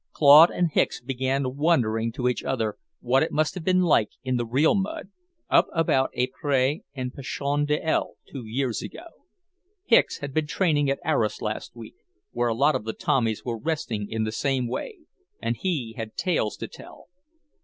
Claude and Hicks began wondering to each other what it must have been like in the real mud, up about Ypres and Passchendaele, two years ago. Hicks had been training at Arras last week, where a lot of Tommies were "resting" in the same way, and he had tales to tell.